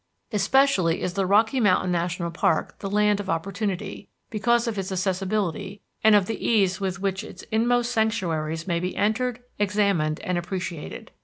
Especially is the Rocky Mountain National Park the land of opportunity because of its accessibility, and of the ease with which its inmost sanctuaries may be entered, examined, and appreciated.